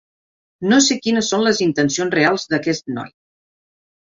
No sé quines són les intencions reals d'aquest noi.